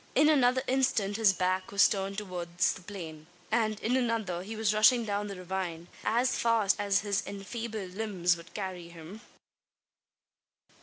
In another instant his back was turned towards the plain; and, in another, he was rushing down the ravine, as fast as his enfeebled limbs would carry him!